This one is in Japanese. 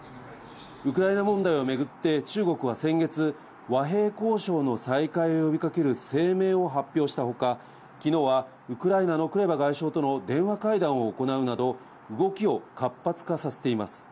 ウクライナ問題を巡って、中国は先月、和平交渉の再開を呼びかける声明を発表したほか、きのうはウクライナのクレバ外相との電話会談を行うなど、動きを活発化させています。